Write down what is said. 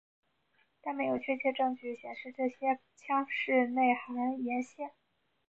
但没有确切证据显示这些腔室内含盐腺。